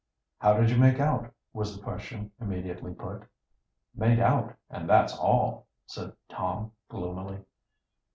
"How did you make out?" was the question immediately put. "Made out, and that's all," said Tom gloomily.